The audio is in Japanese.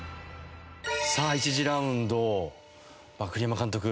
さあ１次ラウンド栗山監督